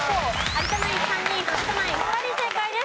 有田ナイン３人古田ナイン２人正解です。